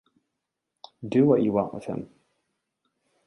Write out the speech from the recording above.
Do what you want with him.